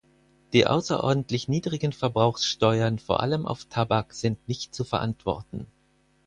Die außerordentlich niedrigen Verbrauchssteuern vor allem auf Tabak sind nicht zu verantworten.